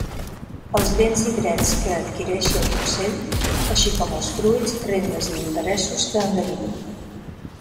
Els béns i drets que adquireixi el Consell, així com els fruits, rendes i interessos que en derivin.